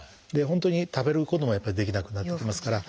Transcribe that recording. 本当に食べることもやっぱりできなくなってきますから。